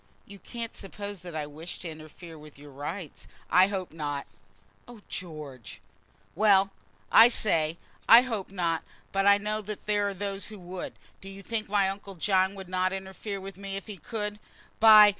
"You can't suppose that I wish to interfere with your rights?" "I hope not." "Oh, George!" "Well; I say, I hope not. But I know there are those who would. Do you think my uncle John would not interfere with me if he could? By